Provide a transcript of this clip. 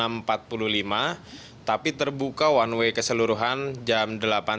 jam delapan pagi empat puluh lima tapi terbuka one way keseluruhan jam delapan tiga puluh